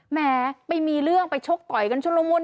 แหมไปมีเรื่องไปชกต่อยกันชุดละมุน